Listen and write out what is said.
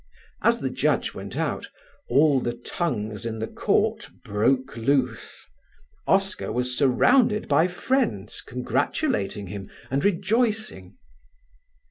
As the Judge went out, all the tongues in the court broke loose. Oscar was surrounded by friends congratulating him and rejoicing.